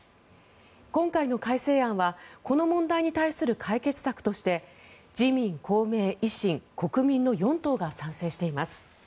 今回の改正案はこの問題に対する解決策として自民、公明、維新、国民の４党が賛成しています。